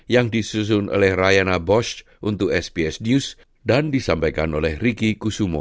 yang disusun oleh ryana bos untuk sps news dan disampaikan oleh riki kusumo